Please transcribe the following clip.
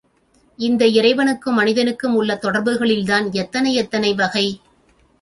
இந்த இறைவனுக்கும் மனிதனுக்கும் உள்ள தொடர்புகளில்தான் எத்தனை எத்தனைவகை.